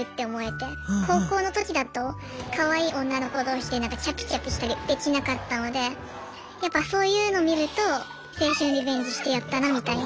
高校の時だとかわいい女の子同士でキャピキャピしたりできなかったのでやっぱそういうの見ると青春リベンジしてやったなみたいな。